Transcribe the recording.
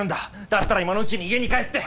だったら今のうちに家に帰って。